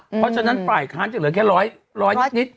เพราะฉะนั้นฝ่ายค้านจะเหลือแค่ร้อยนิด